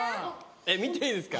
見ていいですか？